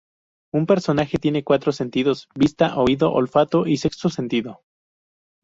Un personaje tiene cuatro sentidos: vista, oído, olfato y sexto sentido.